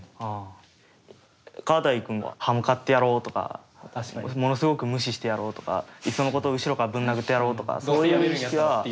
カワタイ君は刃向かってやろうとかものすごく無視してやろうとかいっそのこと後ろからぶん殴ってやろうとかそういう意識は生まれなかった？